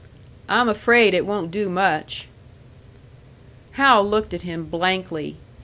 "I'm afraid it won't do much." Hal looked at him blankly.